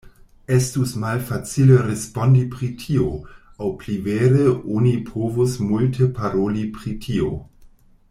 Estus malfacile respondi pri tio, aŭ pli vere oni povus multe paroli pri tio.